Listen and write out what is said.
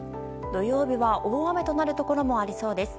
土曜日は大雨となるところもありそうです。